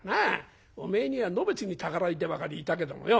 おめえにはのべつにたかられてばかりいたけどもよ